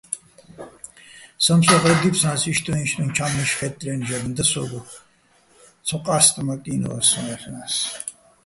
სამსო́ხრე დი́ფცნას, იშტუნ-იშტუნ ჩა́მლიშ ხაჲტტლე́ნო̆ ჟაგნო და სო́გო, ცო ყასტმაკინვა სონ-აჲლნა́ს.